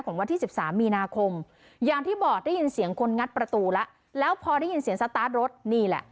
วันที่สิบสามมีนาคมอย่างที่บอกได้ยินเสียงคนงัดประตูแล้วแล้วพอได้ยินเสียงสตาร์ทรถนี่แหละ